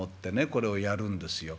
これをやるんですよ。